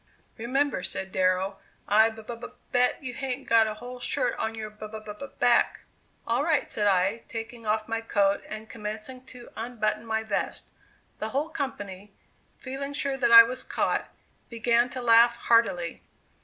"Remember," said Darrow, "I b b bet you hain't got a whole shirt on your b b back!" "All right," said I, taking off my coat and commencing to unbutton my vest. The whole company, feeling sure that I was caught, began to laugh heartily.